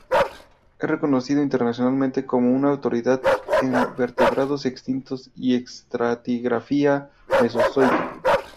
Es reconocido internacionalmente como una autoridad en vertebrados extintos y estratigrafía mesozoica.